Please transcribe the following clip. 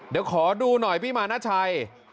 เดี๋ยวขอดูหน่อยพี่มานาชัย